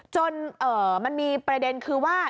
จนมันมีประเด็นคือว่า